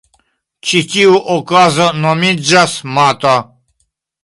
Ĉi tiu okazo nomiĝas mato.